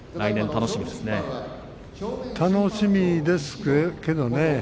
楽しみですけどね